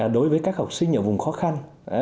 đối với các học sinh ở vùng khó khăn